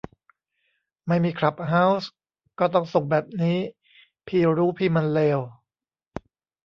ไม่มีคลับเฮาส์ ก็ต้องส่งแบบนี้ พี่รู้พี่มันเลว